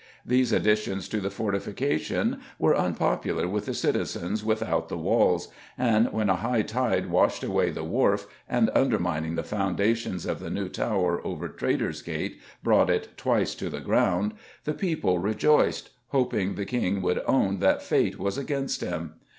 These additions to the fortification were unpopular with the citizens without the walls, and when a high tide washed away the Wharf, and, undermining the foundations of the new tower over Traitor's Gate, brought it twice to the ground, the people rejoiced, hoping the King would own that Fate was against him.